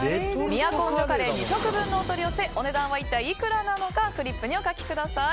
都城華礼２食分のお取り寄せお値段は、いくらなのかフリップにお書きください。